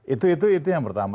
itu itu itu yang pertama